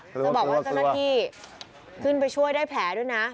กลัวจะบอกว่าก็นั่นที่ขึ้นไปช่วยได้แผลด้วยนะ